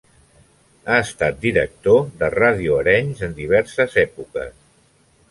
Ha estat director de Ràdio Arenys en diverses èpoques.